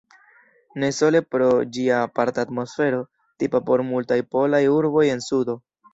Ne sole pro ĝia aparta atmosfero, tipa por multaj polaj urboj en la sudo.